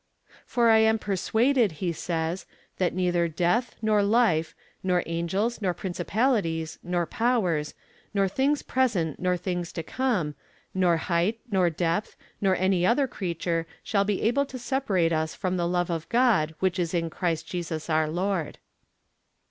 'For I am persuaded,' he says, '_that neither death, nor life, nor angels, nor principalities, nor powers, nor things present, nor things to come, nor height, nor depth, nor any other creature shall be able to separate us from the love of God which is in Christ Jesus our Lord.